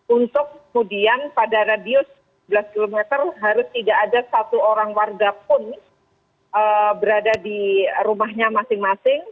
untuk kemudian pada radius sebelas km harus tidak ada satu orang warga pun berada di rumahnya masing masing